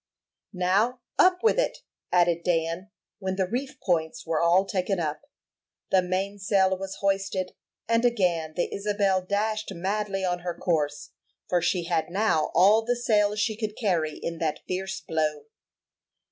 "Now, up with it," added Dan, when the reef points were all taken up. The mainsail was hoisted, and again the Isabel dashed madly on her course, for she had now all the sail she could carry in that fierce blow.